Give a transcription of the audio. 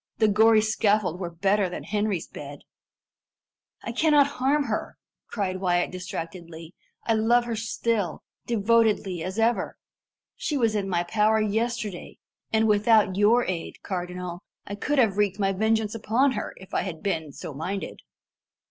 The gory scaffold were better than Henry's bed." "I cannot harm her," cried Wyat distractedly. "I love her still, devotedly as ever. She was in my power yesterday, and without your aid, cardinal, I could have wreaked my vengeance upon her, if I had been so minded."